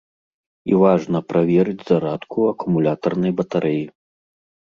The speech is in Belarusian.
І важна праверыць зарадку акумулятарнай батарэі.